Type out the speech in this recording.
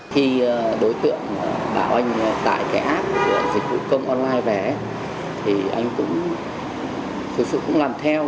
khi đối tượng bảo anh tải cái app của dịch vụ công online về ấy thì anh cũng thực sự cũng làm theo